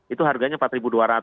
itu harganya rp empat dua ratus